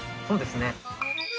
そうですね。